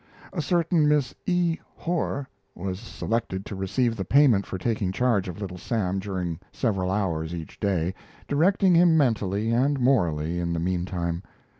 A certain Miss E. Horr was selected to receive the payment for taking charge of Little Sam during several hours each day, directing him mentally and morally in the mean time.